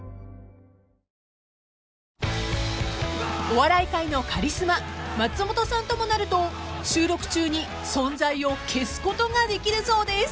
［お笑い界のカリスマ松本さんともなると収録中に存在を消すことができるそうです］